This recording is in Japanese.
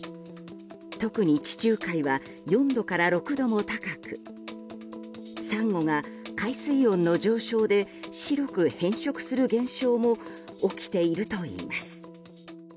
特に地中海は４度から６度も高くサンゴが海水温の上昇で白く変色する現象も起きているといいます。